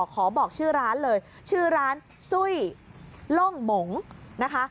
ขอบอกชื่อร้านเลยชื่อร้านซุ้ยล่งหมงนะคะ